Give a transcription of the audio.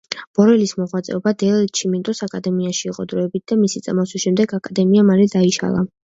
ბორელის მოღვაწეობა დელ ჩიმენტოს აკადემიაში იყო დროებითი და მისი წამოსვლის შემდეგ აკადემია მალე დაიშალა.